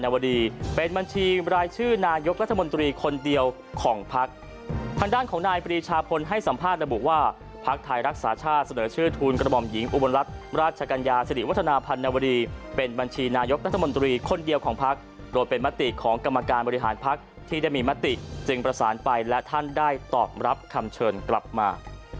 นัทธรรมนตรีคนเดียวของพักรวมเป็นมติของกรรมการบริหารพักษณ์ที่ได้มีมติจึงประสานไปและท่านได้ตอบรับคำเชิญกลับมา